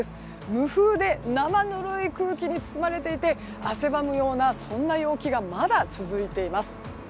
無風で生ぬるい空気に包まれていて汗ばむような陽気がまだ続いています。